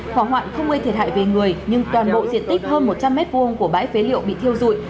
họ hoạn không nguyên thiệt hại về người nhưng toàn bộ diện tích hơn một trăm linh mét vuông của bãi phế liệu bị thiêu dụi